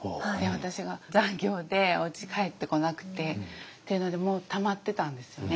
私が残業でおうち帰ってこなくてっていうのでたまってたんですよね。